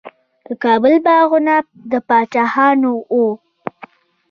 د کابل باغونه د پاچاهانو وو.